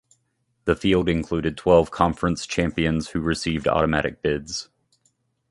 The field included twelve conference champions who received automatic bids.